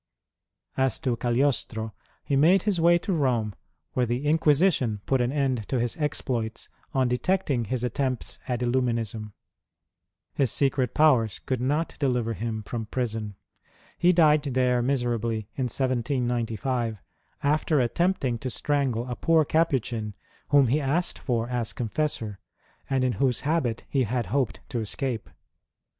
As to Cagliostro, he made his way to Rome, where the Inquisition put an end to his exploits on detecting his attempts at lUuminism. His secret powers could not deliver him from prison. He died there miserably, in 1795, after attempting to strangle a poor Capuchin whom he asked for as confessor, and in whose habit he had hoped to escape.